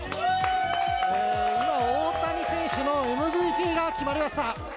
今、大谷選手のＭＶＰが決まりました。